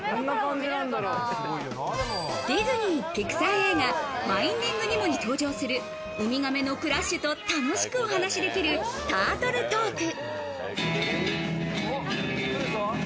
ディズニーピクサー映画『ファインディング・ニモ』に登場するウミガメのクラッシュと楽しくお話できるタートル・トーク。